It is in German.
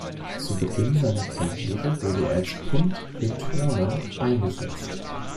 Zu Beginn seiner Karriere wurde er als Punt-Returner eingesetzt.